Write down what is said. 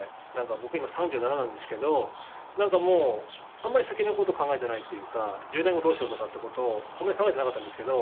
僕今３７なんですけどなんかもうあんまり先の事を考えてないというか１０年後どうしようとかっていう事をあんまり考えてなかったんですけど。